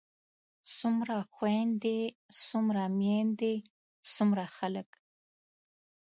څومره خويندے څومره ميايندے څومره خلک